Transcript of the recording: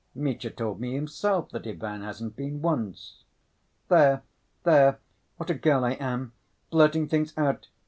Mitya told me himself that Ivan hasn't been once." "There ... there! What a girl I am! Blurting things out!"